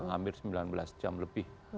hampir sembilan belas jam lebih